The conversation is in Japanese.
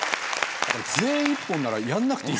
全員一本ならやんなくていい。